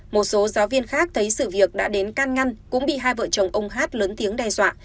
một số giáo viên khác thấy sự việc đã đến can ngăn cũng bị hai vợ chồng ông hát lớn tiếng đe dọa